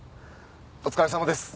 お疲れさまです！